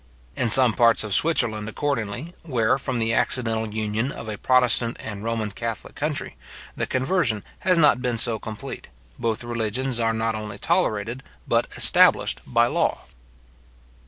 In some parts of Switzerland, accordingly, where, from the accidental union of a protestant and Roman catholic country, the conversion has not been so complete, both religions are not only tolerated, but established by law.